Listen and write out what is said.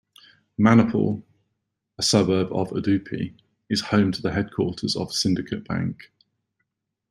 Manipal, a suburb of Udupi, is home to the headquarters of Syndicate Bank.